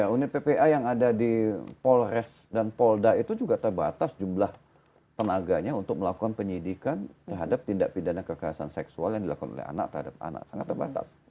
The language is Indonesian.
unit ppa yang ada di polres dan polda itu juga terbatas jumlah tenaganya untuk melakukan penyidikan terhadap tindak pidana kekerasan seksual yang dilakukan oleh anak terhadap anak sangat terbatas